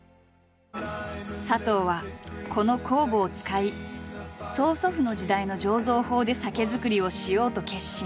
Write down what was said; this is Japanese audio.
佐藤はこの酵母を使い曽祖父の時代の醸造法で酒造りをしようと決心。